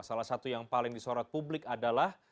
salah satu yang paling disorot publik adalah